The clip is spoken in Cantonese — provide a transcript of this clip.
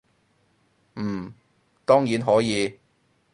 嗯，當然可以